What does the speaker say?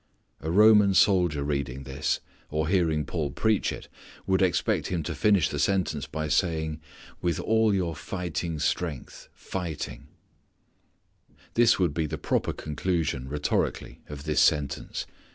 A Roman soldier reading this or, hearing Paul preach it, would expect him to finish the sentence by saying "with all your fighting strength fighting." That would be the proper conclusion rhetorically of this sentence.